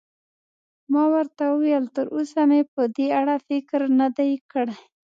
ما ورته وویل: تراوسه مې په دې اړه فکر نه دی کړی.